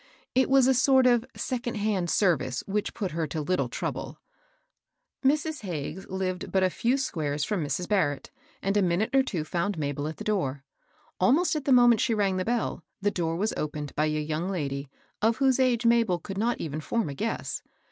It was a sort of second hand service which put her to little trouble. Mrs. Hagges lived but a few squares from Mrs. Barrett, and a minute or two found Mabel at the door. Almost at the moment she rang the bell, the door was opened by a young lady, of whose age Mabel could not even form a guess.